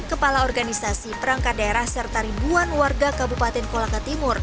kepala organisasi perangkat daerah serta ribuan warga kabupaten kolaka timur